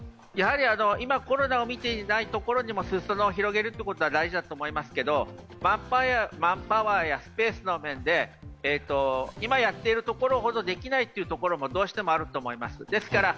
今コロナを診ていないところにも裾野を広げることは大事だと思いますが、マンパワーやスペースの面で、今やっているところほどできないというところも、どうしてもあると思います。